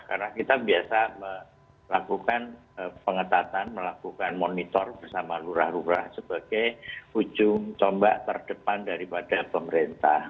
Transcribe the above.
karena kita biasa melakukan pengetatan melakukan monitor bersama lurah lurah sebagai ujung tombak terdepan daripada pemerintah